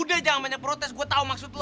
udah jangan banyak protes gue tau maksud lo